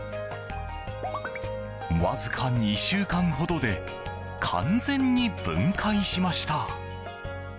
わずか２週間ほどで完全に分解しました。